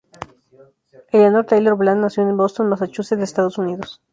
Eleanor Taylor Bland nació en Boston, Massachusetts, Estados Unidos.